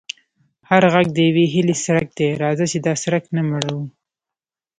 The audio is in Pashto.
هر غږ د یوې هیلې څرک دی، راځه چې دا څرک نه مړوو.